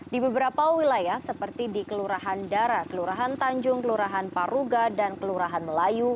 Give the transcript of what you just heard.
di beberapa wilayah seperti di kelurahan dara kelurahan tanjung kelurahan paruga dan kelurahan melayu